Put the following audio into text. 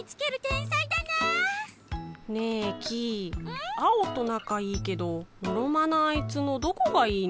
ん？アオとなかいいけどのろまなあいつのどこがいいの？